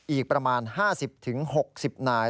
อีกประมาณ๕๐ถึง๖๐หน่าย